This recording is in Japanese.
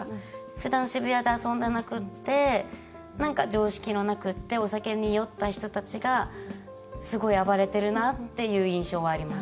ふだん渋谷で遊んでなくってなんか、常識がなくってお酒に酔った人たちがすごい暴れてるなっていう印象があります。